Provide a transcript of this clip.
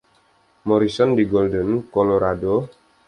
Morrison di Golden, Colorado.